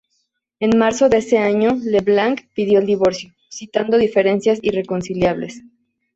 En marzo de ese año, LeBlanc pidió el divorcio, citando diferencias irreconciliables.